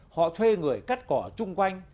họ thuê người cắt cỏ trung quanh